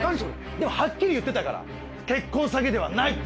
でもはっきり言ってたから「結婚詐欺ではない」って。